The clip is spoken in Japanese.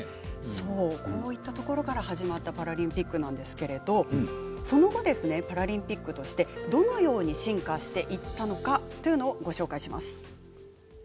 こういったところから始まったパラリンピックなんですけれどもその後、パラリンピックとしてどのように進化していったかというのをご紹介します。